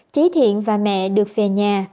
chí thiện và mẹ được về nhà